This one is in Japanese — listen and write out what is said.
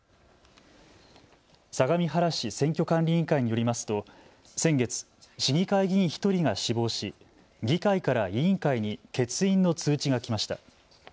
相模原市選挙管理委員会によりますと先月、市議会議員１人が死亡し、議会から委員会に欠員の通知が来ました。